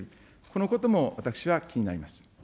このことも気になります。